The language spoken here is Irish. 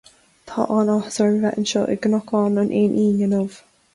Tá an-áthas orm a bheith anseo i gCnocán an Éin Fhinn inniu